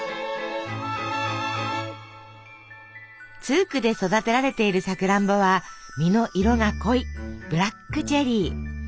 ツークで育てられているさくらんぼは実の色が濃いブラックチェリー。